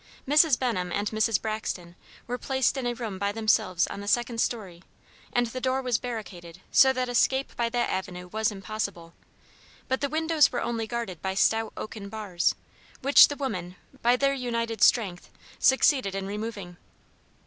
Mrs. Benham and Mrs. Braxton were placed in a room by themselves on the second story, and the door was barricaded so that escape by that avenue was impossible; but the windows were only guarded by stout oaken bars, which the women, by their united strength, succeeded in removing.